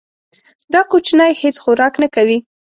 دا کوچنی هیڅ خوراک نه کوي.